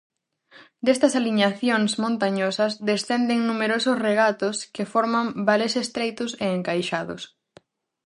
Destas aliñacións montañosas descenden numerosos regatos que forman vales estreitos e encaixados.